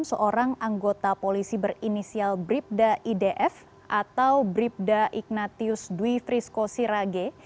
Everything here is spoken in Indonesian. seorang anggota polisi berinisial bribda idf atau bribda ignatius dwi frisco sirage